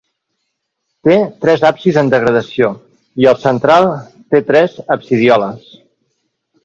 Té tres absis en degradació i el central té tres absidioles.